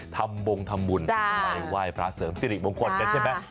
ทำบงทำบุญไปไหว้พระเสริมสิริมงคลกันใช่ไหม